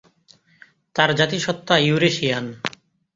তার জাতিসত্তা ইউরেশিয়ান।